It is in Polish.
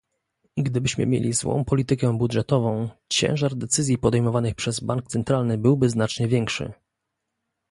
Gdybyśmy mieli złą politykę budżetową, ciężar decyzji podejmowanych przez bank centralny byłby znacznie większy